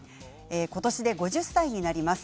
今年で５０歳になります。